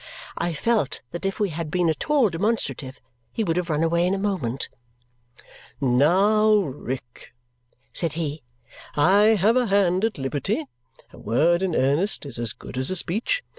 I felt that if we had been at all demonstrative, he would have run away in a moment. "Now, Rick!" said he. "I have a hand at liberty. A word in earnest is as good as a speech.